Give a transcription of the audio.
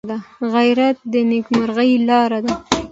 غیرت د نیکمرغۍ لاره ده